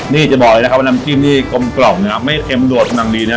นี่จะบอกเลยนะครับว่าน้ำจิ้มนี่กลมกล่อมเนี่ยครับไม่เค็มโดดมังลีเนี่ย